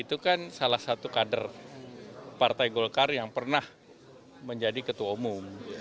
itu kan salah satu kader partai golkar yang pernah menjadi ketua umum